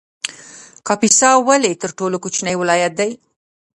کاپیسا ولې تر ټولو کوچنی ولایت دی؟